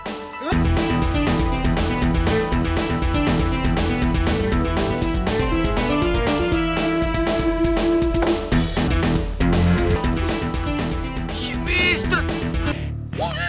sampai jumpa di video selanjutnya